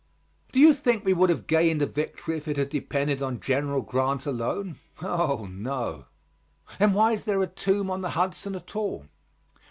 Do you think we would have gained a victory if it had depended on General Grant alone? Oh, no. Then why is there a tomb on the Hudson at all?